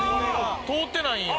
通ってないんや。